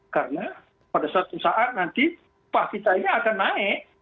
karena pada suatu saat nanti pasifannya akan naik